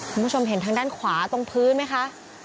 คุณผู้ชมเห็นทางด้านขวาตรงพื้นไหมคะ